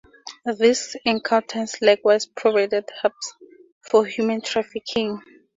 These encounters likewise provided hubs for human trafficking.